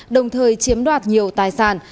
đồng thời chiếm đoạt nhiều tài sản